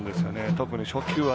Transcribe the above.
特に初球は。